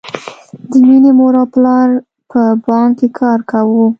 د مینې مور او پلار په بانک کې کار کاوه